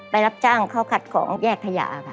ไปรับจ้างเขาขัดของแยกพยา